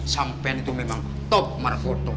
sampean itu memang top marfoto